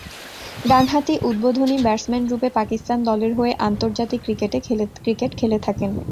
ডানহাতি উদ্বোধনী ব্যাটসম্যানরূপে পাকিস্তান দলের হয়ে আন্তর্জাতিক ক্রিকেট খেলে থাকেন।